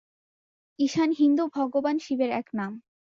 ঈশান হিন্দু ভগবান শিবের এক নাম।